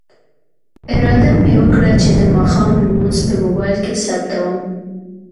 اراده مې وکړه چې د ماښام لمونځ به په موبایل کې ثبتوم.